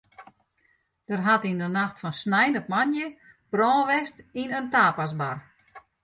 Der hat yn de nacht fan snein op moandei brân west yn in tapasbar.